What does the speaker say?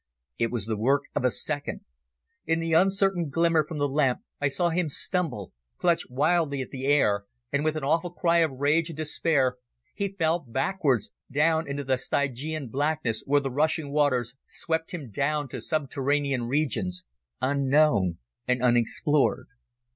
It was the work of a second. In the uncertain glimmer from the lamp I saw him stumble, clutch wildly at the air, and with an awful cry of rage and despair he fell backwards, down into the Stygian blackness where the rushing waters swept him down to subterranean regions, unknown and unexplored.